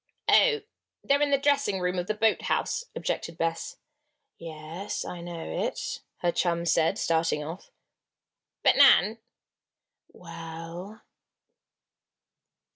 "Oh! they're in the dressing room of the boathouse," objected Bess. "Yes, I know it," her chum said, starting off. "But, Nan!" "Well?"